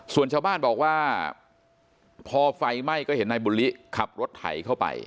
ส่วนชาวบ้านบอกว่าพอไฟไหม้ก็เห็นนายบุลิขับรถไถเข้าไป